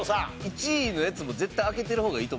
１位のやつも絶対開けてる方がいいと思うよ。